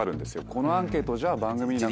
このアンケートじゃ番組。